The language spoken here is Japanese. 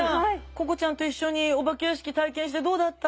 ここちゃんと一緒にお化け屋敷体験してどうだった？